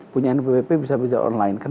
punya nbpp bisa berusaha online